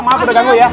maaf udah ganggu ya